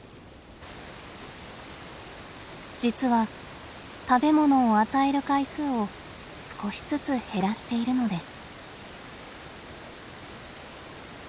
実は食べ物を与える回数を少しずつ減らしているのです。